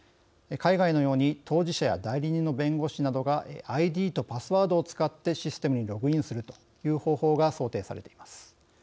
海外のように当事者や代理人の弁護士などがＩＤとパスワードを使ってシステムにログインという方法が想定されています。